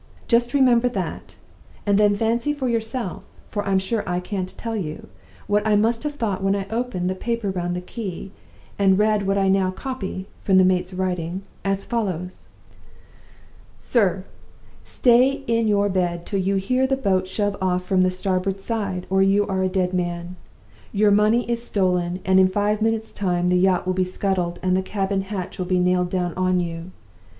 Just remember that; and then fancy for yourself (for I'm sure I can't tell you) what I must have thought when I opened the paper round the key, and read what I now copy (from the mate's writing), as follows: "'SIR Stay in your bed till you hear a boat shove off from the starboard side, or you are a dead man. Your money is stolen; and in five minutes' time the yacht will be scuttled, and the cabin hatch will be nailed down on you.